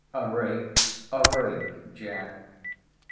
A rake's a rake, Jack!